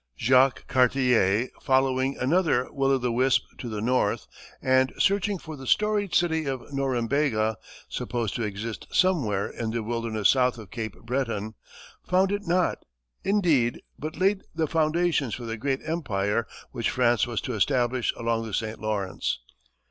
Jacques Cartier, following another will o' the wisp to the north, and searching for the storied city of Norembega, supposed to exist somewhere in the wilderness south of Cape Breton, found it not, indeed, but laid the foundations for the great empire which France was to establish along the St. Lawrence.